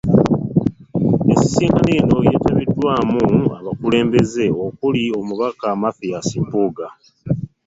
Ensisinkano eno, yeetabiddwamu abakulembeze okuli; Omubaka Mathias Mpuuga